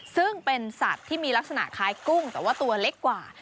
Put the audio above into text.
ซึ่งเป็นสัตว์ที่มีลักษณะคล้ายกุ้งแต่ว่าตัวเล็กกว่า